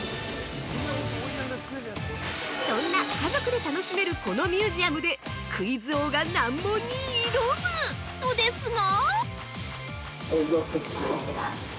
そんな、家族で楽しめるこのミュージアムでクイズ王が難問に挑むのですが！？